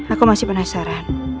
aku masih penasaran